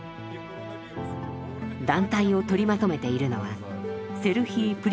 団体を取りまとめているのはセルヒー・プリトゥーラさん。